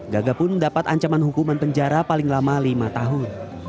gaga pun mendapat ancaman hukuman penjara paling lama lima tahun